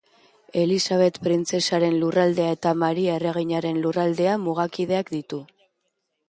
Elisabet Printzesaren Lurraldea eta Maria Erreginaren Lurraldea mugakideak ditu.